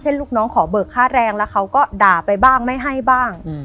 ลูกน้องขอเบิกค่าแรงแล้วเขาก็ด่าไปบ้างไม่ให้บ้าง